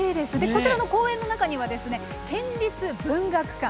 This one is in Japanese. こちらの公園の中には県立文学館。